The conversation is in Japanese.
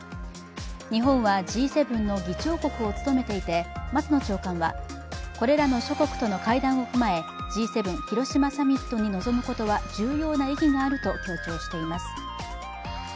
日本はＧ７の議長国を務めていて、松野長官はこれらの諸国との会談を踏まえＧ７広島サミットに臨むことは重要な意義があると強調しています。